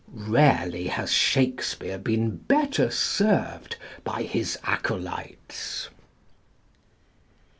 Rarely has Shakespeare been better served by his acolytes.